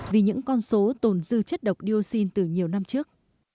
vì những con số tồn dư chất độc dioxin từ nhiều năm trước